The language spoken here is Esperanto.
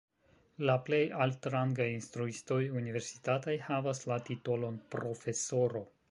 La plej altrangaj instruistoj universitataj havas la titolon profesoro.